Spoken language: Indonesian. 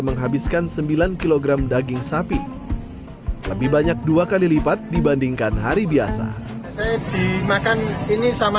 menghabiskan sembilan kg daging sapi lebih banyak dua kali lipat dibandingkan hari biasa saya cimakan ini sama